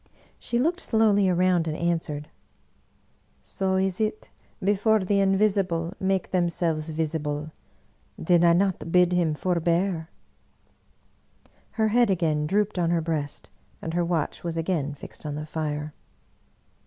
She looked slowly around and an swered, " So is it before the Invisible make themselves visible! Did I not bid him forbear?" Her head again drooped on her breast, and her watch was again fixed on the fire.